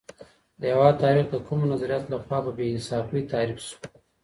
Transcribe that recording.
د هېواد تاریخ د کومو نظریاتو له خوا په بې انصافۍ تحریف سو؟